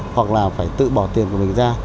hoặc là phải tự bỏ tiền của mình ra